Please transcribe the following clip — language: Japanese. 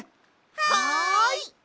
はい！